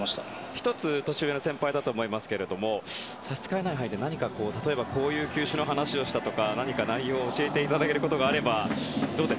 １つ年上の先輩だと思いますが差し支えない範囲でこういう球種の話をしたとか何か内容を教えていただけることがあれば。